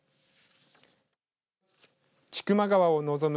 千曲川を望む